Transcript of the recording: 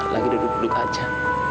lagi duduk duduk aja